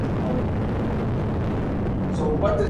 This day we fight!